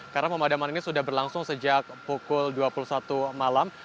karena pemadaman ini sudah berlangsung sejak pukul dua puluh satu malam